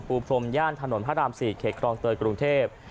พรมย่านถนนพระราม๔เขตคลองเตยกรุงเทพ